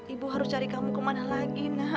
ibu harus cari kamu kemana lagi nak